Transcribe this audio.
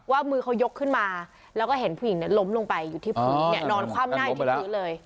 ว่ามือเขายกขึ้นมาแล้วก็เห็นผู้หญิงล้มลงไปอยู่ที่ผู้หญิงนอนคว่ำหน้าที่มือเลย